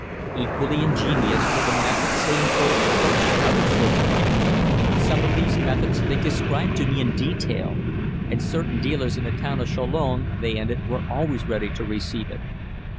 Equally ingenious were the methods they employed for poaching other sorts of game some of these methods they described to me in detail and certain dealers in the town of Chalons, they ended, were always ready to receive it.